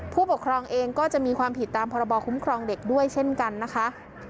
ผู้ปกครองเองก็จะมีความผิดตามพรบคุ้มครองเด็กด้วยเช่นกันนะคะ